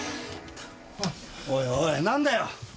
おいおい何だよ。